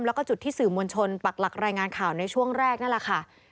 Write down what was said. แล้วก็จุดที่สื่อมวลชนปักหลักรายงานข่าวในช่วงแรกนั่นแหละค่ะ